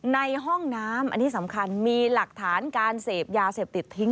ในห้องน้ำอันนี้สำคัญมีหลักฐานการเสพยาเสพติดทิ้ง